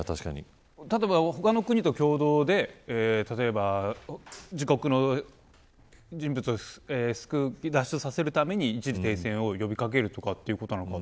例えば他の国と共同で例えば自国の人物を救い出させるために一時停戦を呼び掛けるとかということなのかな。